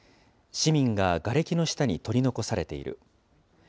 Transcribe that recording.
市民ががれきの下に取り残されている。